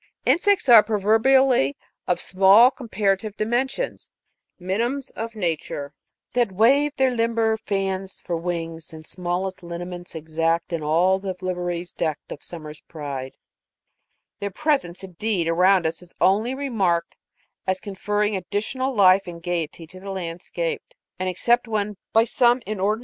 Insects are proverbially of small comparative dimensions 4 minims of nature' that wave their limber fans For wings, and smallest lineaments exact, In all the liveries deck'd of summer's pride ;' their presence, indeed, around us, is only remarked as conferring additional life and gayety to the landscape ; and except when, by some inordinate 26.